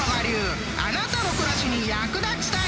［あなたの暮らしに役立ちたい］